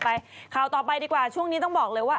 ข่าวต่อไปดีกว่าช่วงนี้ต้องบอกเลยว่า